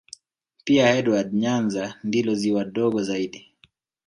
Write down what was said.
Pia Edward Nyanza ndilo ziwa dogo zaidi